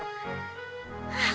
kalo penyampai lalu you bumi ya